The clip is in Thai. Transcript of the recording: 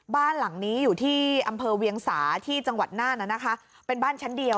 บ้านหลังนี้อยู่ที่อำเภอเวียงสาที่จังหวัดน่านนะคะเป็นบ้านชั้นเดียว